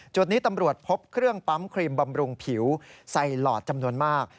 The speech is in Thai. จุดนี้ตำรวจพบเครื่องปั๊มครีมบำรุงผิวไซหลอดจำนวนมาก